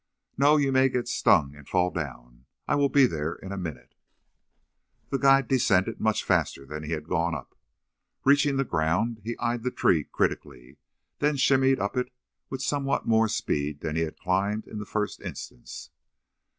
"No, you may get stung and fall down. I will be there in a minute." The guide descended much faster than he had gone up. Reaching the ground, he eyed the tree critically, then shinned up it with somewhat more speed than he had climbed in the first instance.